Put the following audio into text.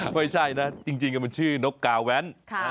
ไม่ใช่นะจริงมันชื่อนกกาแว้น